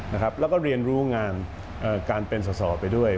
แล้วก็เรียนรู้งานการเป็นสอสอไปด้วย